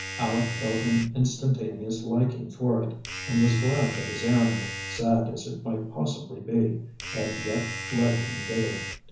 Aleck felt an instantaneous liking for it, and was glad that his errand, sad as it might possibly be, had yet led him thither.